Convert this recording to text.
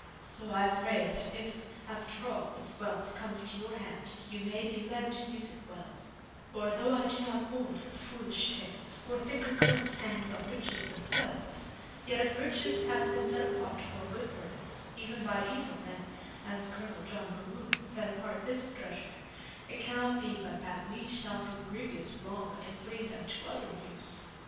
So I pray that if, after all, this wealth comes to your hand you may be led to use it well; for though I do not hold with foolish tales, or think a curse hangs on riches themselves, yet if riches have been set apart for a good purpose, even by evil men, as Colonel John Mohune set apart this treasure, it cannot be but that we shall do grievous wrong in putting them to other use.